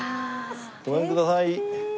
ごめんください。